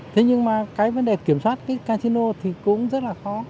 thế nhưng mà cái vấn đề kiểm soát cái cathino thì cũng rất là khó